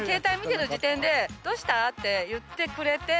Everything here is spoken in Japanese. って言ってくれて。